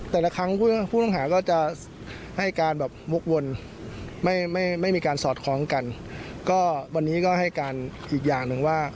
แต่ละครั้งผู้ต้องหาก็จะให้การแบบวกวนไม่ไม่มีการสอดคล้องกันก็วันนี้ก็ให้การอีกอย่างหนึ่งว่า